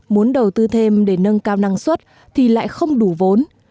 muốn đầu tư thêm để nâng cao năng suất thì lại không đủ vốn